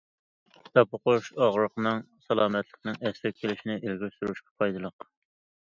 كىتاب ئوقۇش ئاغرىقنىڭ سالامەتلىكىنىڭ ئەسلىگە كېلىشىنى ئىلگىرى سۈرۈشكە پايدىلىق.